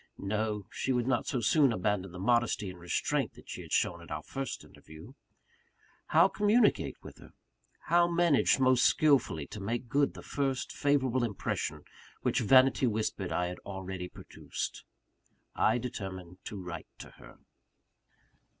No: she would not so soon abandon the modesty and restraint that she had shown at our first interview. How communicate with her? how manage most skilfully to make good the first favourable impression which vanity whispered I had already produced? I determined to write to her.